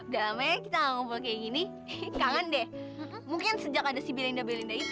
damai kita ngomong kayak gini kangen deh mungkin sejak ada si belenda belenda itu